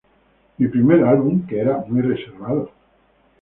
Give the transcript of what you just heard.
Mi primer álbum que era muy reservado.